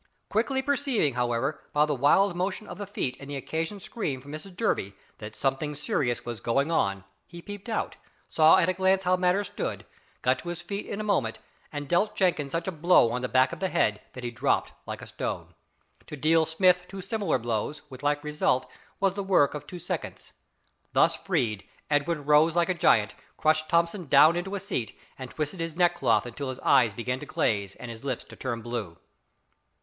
Quickly perceiving, however, by the wild motion of the feet and an occasional scream from Mrs Durby, that something serious was going on, he peeped out, saw at a glance how matters stood, got to his feet in a moment, and dealt Jenkins such a blow on the back of the head that he dropped like a stone. To deal Smith two similar blows, with like result, was the work of two seconds. Thus freed, Edwin rose like a giant, crushed Thomson down into a seat, and twisted his neckcloth until his eyes began to glaze and his lips to turn blue.